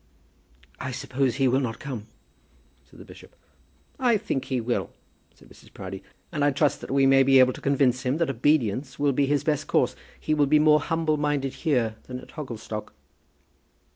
"I suppose he will not come," said the bishop. "I think he will," said Mrs. Proudie, "and I trust that we may be able to convince him that obedience will be his best course. He will be more humble minded here than at Hogglestock."